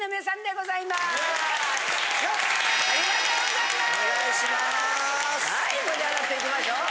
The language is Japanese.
はい盛り上がっていきましょう！